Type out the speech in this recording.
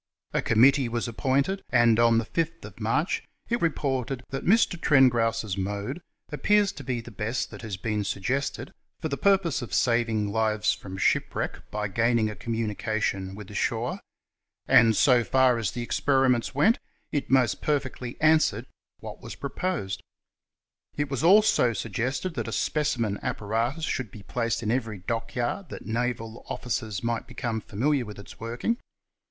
l A committee was appointed, and on 5 March it reported * that Mr. Trengrouse's mode appears to be the best that has been suggested for the purpose of saving lives from shipwreck by gaining a communication with the shore; and, so far as the experiments went, it most perfectly answered what was pro posed ;' it was also suggested that a speci men apparatus should be placed in every dockyard that naval officers might become familiar witli its working {Pari. PaperSj 1825, xxxi. 361).